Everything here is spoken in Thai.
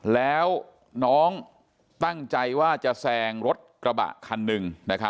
แล้วน้องตั้งใจว่าจะแซงรถกระบะคันหนึ่ง